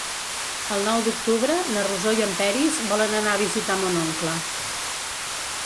El nou d'octubre na Rosó i en Peris volen anar a visitar mon oncle.